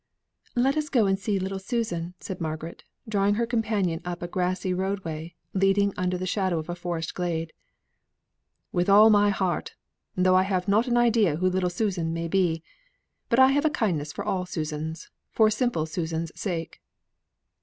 "Let us go on to see little Susan," said Margaret, drawing her companion up a grassy road way, leading under the shadow of a forest glade. "With all my heart, though I have not an idea who little Susan may be. But I have a kindness for all Susans, for simple Susan's sake."